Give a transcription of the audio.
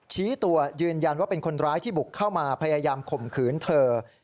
ชี้ตัวยืนยันว่าเป็นคนร้ายที่บุกเข้ามาพยายามข่มขืนเธอ